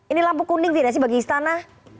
ini lampu kuning tidak sih bagi istana